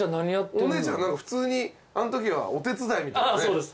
お姉ちゃん普通にあのときはお手伝いみたいなね